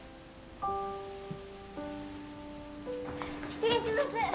失礼します！